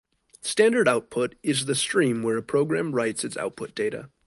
Standard output is the stream where a program writes its output data.